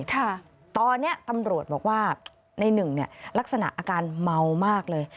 ตอนนี้ตำรวจบอกว่านายหนึ่งลักษณะอาการเมามากเลย